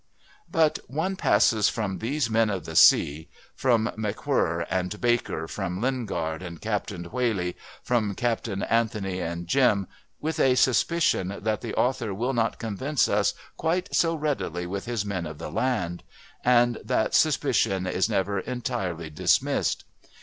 '" But one passes from these men of the sea from McWhirr and Baker, from Lingard and Captain Whalley, from Captain Anthony and Jim, with a suspicion that the author will not convince us quite so readily with his men of the land and that suspicion is never entirely dismissed.